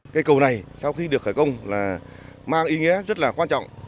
cây cầu này sau khi được khởi công là mang ý nghĩa rất là quan trọng